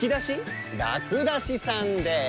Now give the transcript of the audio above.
らくだしさんです！